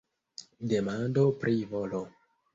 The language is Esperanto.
Demando pri volo.